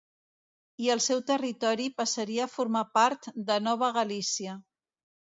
I el seu territori passaria a formar part de Nova Galícia.